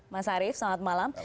mas arief selamat malam